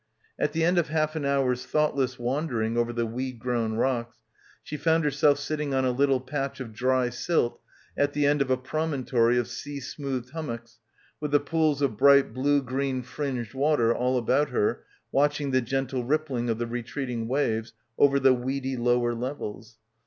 At the end of half an hour's thoughtless wander ing over the weed grown rocks she fobnd herself sitting on a little patch of dry silt at the end of a promontory of sea smoothed hummocks with die pools of bright blue green fringed water all about her watching the gentle rippling of the retreating waves over the weedy lower levels.